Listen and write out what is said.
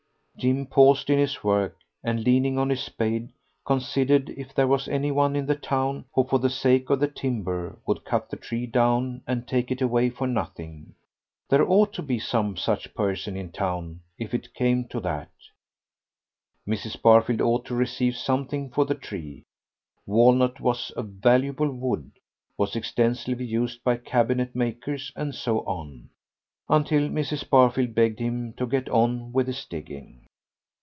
Jim paused in his work, and, leaning on his spade, considered if there was any one in the town, who, for the sake of the timber, would cut the tree down and take it away for nothing. There ought to be some such person in town; if it came to that, Mrs. Barfield ought to receive something for the tree. Walnut was a valuable wood, was extensively used by cabinetmakers, and so on, until Mrs. Barfield begged him to get on with his digging.